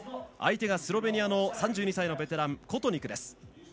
相手がスロベニアの３２歳のベテランコトニクです。